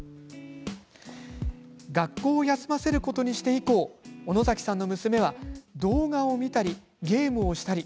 学校を休ませることにして以降小野崎さんの娘は動画を見たりゲームをしたり。